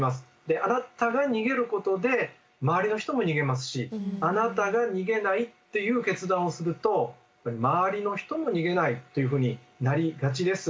あなたが逃げることで周りの人も逃げますしあなたが逃げないっていう決断をすると周りの人も逃げないっていうふうになりがちです。